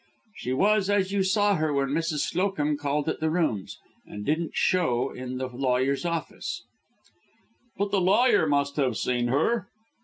She was as you saw her when Mrs. Slowcomb called at the rooms, and didn't show in the lawyer's office." "But the lawyer must have seen her?"